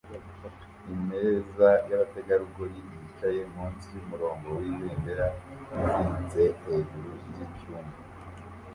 Imeza yabategarugori yicaye munsi yumurongo wibendera uziritse hejuru yicyumba